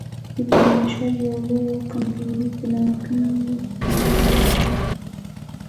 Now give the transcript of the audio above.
د بشر يوه لويه کمزوري د ناممکن کلمې سره عادت دی.